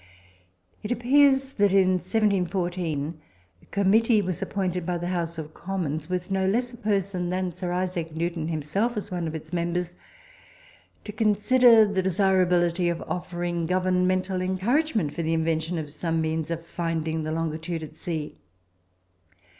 It appears that in 1714 a committee was appointed by the House of Commons, with no less a person than Sir Isaac Newton himself as one of its members, to consider the desirability of offering governmental encouragement for the invention of some means of finding the longitude at sea.